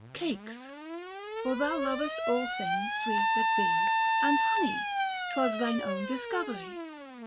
786 Cakes, for thou lovest all things sweet that be, And honev, 'twas thine own discovery.